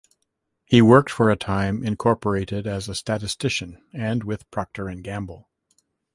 He worked for Time Incorporated as a statistician, and with Procter and Gamble.